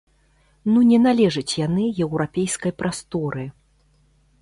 Ну не належаць яны еўрапейскай прасторы.